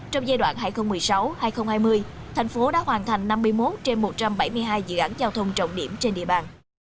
trong giai đoạn hai nghìn một mươi sáu hai nghìn hai mươi thành phố đã hoàn thành năm mươi một trên một trăm bảy mươi hai dự án giao thông trọng điểm trên địa bàn